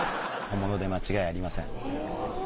本物で間違いありません。